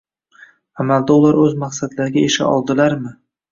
Amalda ular oʻz maqsadlariga erisha oldilarmi?